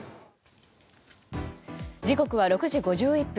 時刻は６時５１分。